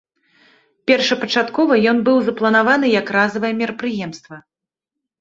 Першапачаткова ён быў запланаваны як разавае мерапрыемства.